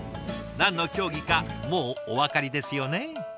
何の競技かもうお分かりですよね？